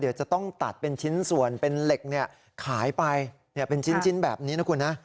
เดี๋ยวจะต้องตัดเป็นชิ้นส่วนเป็นเหล็กขายไปเป็นชิ้นแบบนี้นะคุณนะ